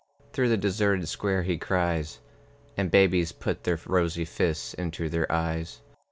Through the deserted square he cries, And babies put their rosy fists Into their eyes.